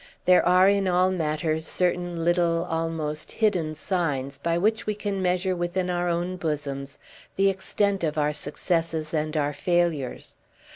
There are in all matters certain little, almost hidden, signs, by which we can measure within our own bosoms the extent of our successes and our failures.